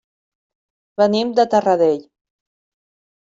Venim de Taradell.